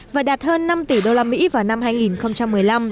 và đạt hơn năm tỷ usd vào năm hai nghìn một mươi năm